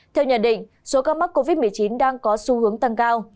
theo nhận định số ca mắc covid một mươi chín đang có xu hướng tăng cao